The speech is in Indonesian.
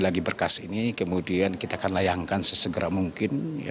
lagi berkas ini kemudian kita akan layangkan sesegera mungkin